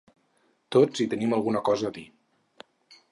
Tots hi tenim alguna cosa a dir.